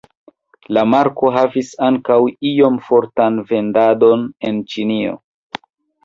La marko havis ankaŭ iom fortan vendadon en Ĉinio.